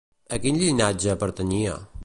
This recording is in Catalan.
A quin llinatge pertanyia?